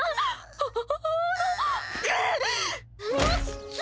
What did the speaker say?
あっ。